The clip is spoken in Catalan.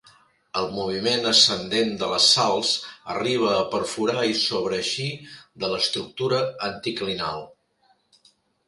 El moviment ascendent de les sals arribà a perforar i sobreeixir de l'estructura anticlinal.